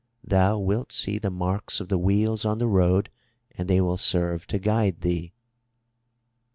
Thou wilt see the marks of the wheels on the road and they will serve to guide thee."